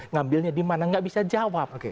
ngambilnya di mana nggak bisa jawab